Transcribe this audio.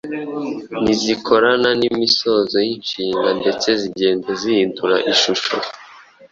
Ntizikorana n’imisozo y’inshinga ndetse zigenda zihindura ishusho